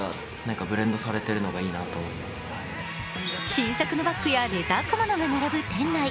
新作のバッグやレザー小物が並ぶ店内。